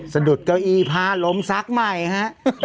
สะดุดเก้าอี้ผ้าล้มซักใหม่ฮะ